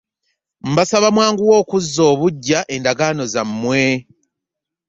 Mbasaba mwanguwe okuzza obuggya endagaano zammwe.